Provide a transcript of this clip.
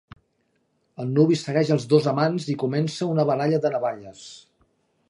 El nuvi segueix els dos amants i comença una baralla de navalles.